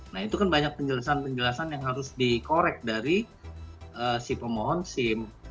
nah itu kan banyak penjelasan penjelasan yang harus dikorek dari si pemohon sim